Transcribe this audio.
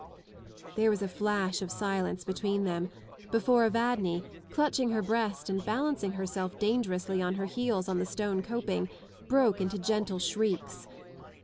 " There was a flash of silence between them before Evadne, clutching her breast and balancing herself dangerously on her heels on the stone coping, broke into gentle shrieks.